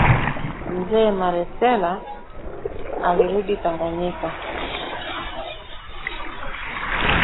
Mzee Malecela alirudi Tanganyika